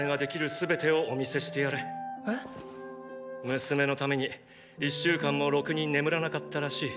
娘のために１週間もろくに眠らなかったらしい。